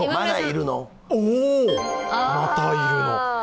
またいるの。